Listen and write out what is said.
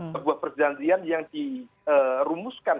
perbuah perjanjian yang dirumuskan